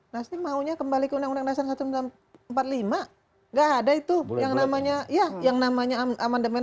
nasdem maunya kembali ke undang undang dasar seribu sembilan ratus empat puluh lima nggak ada itu yang namanya ya yang namanya amandemen